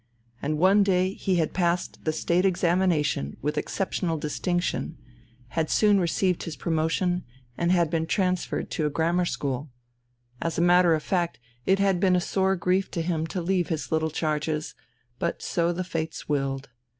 And one day he had passed the State examination with exceptional distinction, had soon received his promotion, had been transferred to a grammar school. As a matter of fact, it had been a sore grief to him to leave his little charges, but so the fates willed.